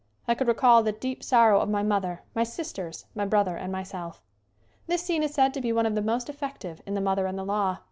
I could recall the deep sorrow of my mother, my sisters, my brother and my self. This scene is said to be one of the most ef fective in "The Mother and the Law."